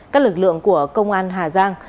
các lực lượng của công an hà giang